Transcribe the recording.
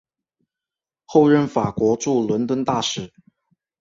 后任法国驻伦敦大使。